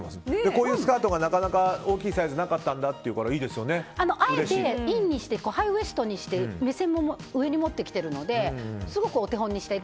こういうスカートが大きいサイズなかったというからあえてインにしてハイウエストにして目線も上に持ってきているのですごくお手本にしたい。